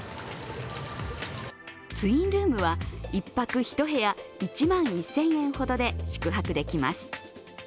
ツインルームは１泊１部屋１万１０００円ほどで宿泊できます。